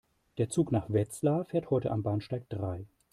Der Zug nach Wetzlar fährt heute am Bahnsteig drei